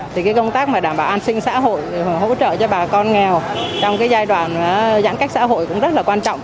thì cái công tác mà đảm bảo an sinh xã hội hỗ trợ cho bà con nghèo trong cái giai đoạn giãn cách xã hội cũng rất là quan trọng